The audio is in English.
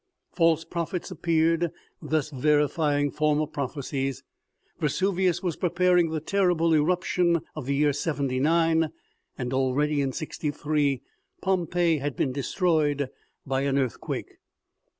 False prophets appeared, thus verifying former prophecies. Ve suvius was preparing the terrible eruption of the year 79, and already, in 63, Pompeii had been destroyed by an earthquake.